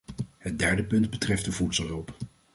Het derde punt betreft de voedselhulp.